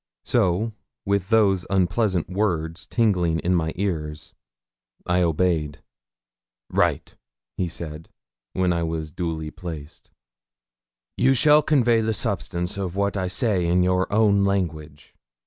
So, with those unpleasant words tingling in my ears, I obeyed. 'Write,' said he, when I was duly placed. 'You shall convey the substance of what I say in your own language.